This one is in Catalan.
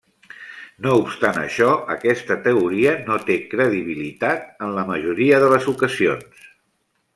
No obstant això, aquesta teoria no té credibilitat en la majoria de les ocasions.